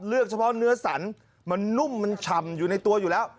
เฉพาะเนื้อสันมันนุ่มมันฉ่ำอยู่ในตัวอยู่แล้ว